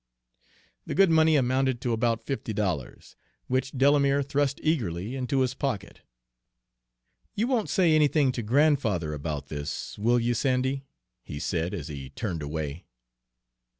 The good money amounted to about fifty dollars, which Delamere thrust eagerly into his pocket. "You won't say anything to grandfather about this, will you, Sandy," he said, as he turned away.